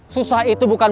susah itu bukan bosnya